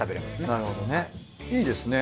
なるほどねいいですね。